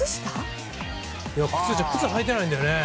靴履いてないんでね。